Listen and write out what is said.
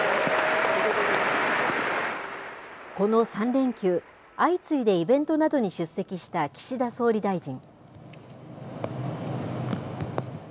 この３連休、相次いでイベントなどに出席した岸田総理大臣。